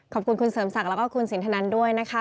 ขอบคุณคุณเสริมศักดิ์แล้วก็คุณสินทนันด้วยนะคะ